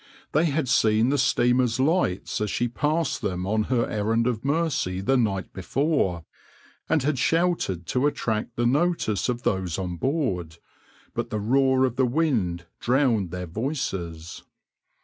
They had seen the steamer's lights as she passed them on her errand of mercy the night before, and had shouted to attract the notice of those on board, but the roar of the wind drowned their voices.